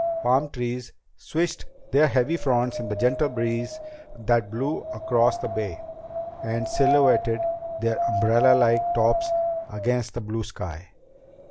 Palm trees swished their heavy fronds in the gentle breeze that blew across the Bay and silhouetted their umbrellalike tops against the blue sky.